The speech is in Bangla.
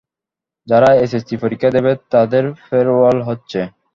যারা এসএসসি পরীক্ষা দেবে তাদের ফেয়ারওয়েল হচ্ছে।